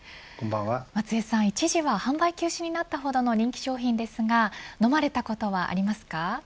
松江さん一時は販売休止になったほどの人気商品ですが飲まれたことはありますか。